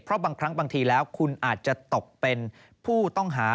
เพราะบางครั้งบางทีแล้วคุณอาจจะตกเป็นผู้ต้องหา